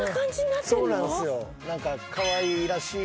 そうなんすよ。